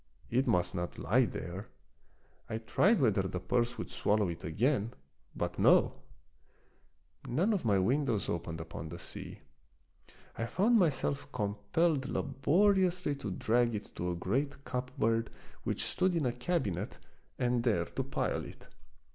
It must not lie there. I tried whether the purse would swallow it again — but no ! None of my windows opened upon the sea. I found myself compelled labori ously to drag it to a great cupboard which stood in a cabinet and there to pile it.